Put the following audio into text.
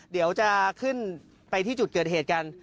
เดี๋ยวจะขึ้นไปที่จุดเกิดเหตุกัน